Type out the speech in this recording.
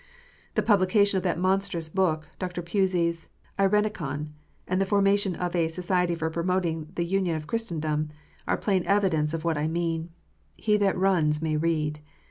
The publication of that monstrous book, Dr. Pusey s Eirenicon, and the formation of a " Society for Promoting the Union of Christendom," are plain evidence of what I mean. He that runs may read.